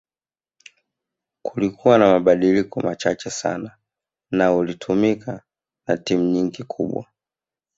Kulikua na mabadiliko machache sana na ulitumika na timu nyingi kubwa